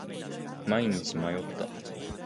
毎日迷った。